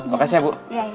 oke sih ya bu